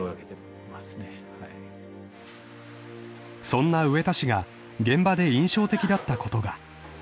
［そんな植田氏が現場で印象的だったことが］